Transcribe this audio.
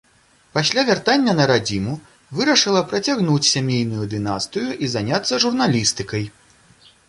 Пасля вяртання на радзіму вырашыла працягнуць сямейную дынастыю і заняцца журналістыкай.